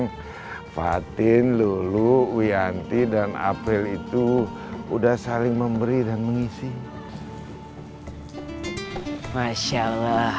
lihat sendiri kan april sekarang mulai terlihat bersemangat bah syukur alhamdulillah